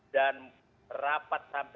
dan rapat sampai